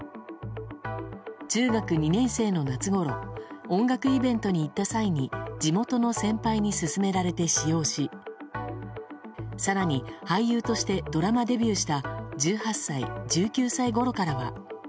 中学２年生の夏ごろ音楽イベントに行った際に地元の先輩に勧められて使用し更に俳優としてドラマデビューした１８歳、１９歳ごろからは。